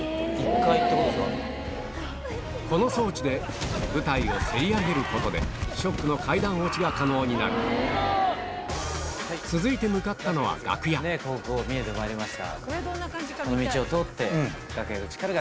この装置で舞台をせり上げることで『ＳＨＯＣＫ』の階段落ちが可能になる続いて見えてまいりました。